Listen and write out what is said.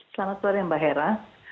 selamat sore mbak hera